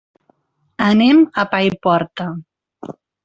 Anem a Paiporta.